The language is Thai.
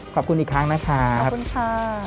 ขอบคุณอีกครั้งนะครับขอบคุณค่ะ